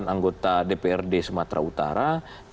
tiga puluh delapan anggota dprd sumatera utara